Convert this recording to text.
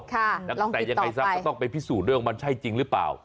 ค่ะลองคิดต่อไปตั้งแต่ยังไงทรัพย์ก็ต้องไปพิสูจน์เรื่องมันใช่จริงหรือเปล่า